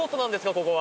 ここは。